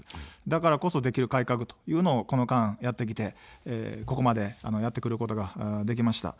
だからこそ、できる改革というのを、この間やってきて、ここまでやってくることができました。